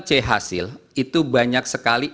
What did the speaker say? c hasil itu banyak sekali